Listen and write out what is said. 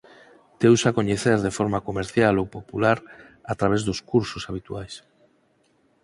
Deuse a coñecer de forma comercial ou popular a través dos cursos habituais.